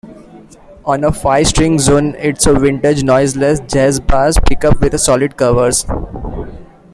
On the five-string Zone, it's a Vintage Noiseless Jazz Bass pickup with solid covers.